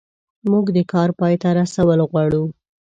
موږ د کار پای ته رسول غواړو.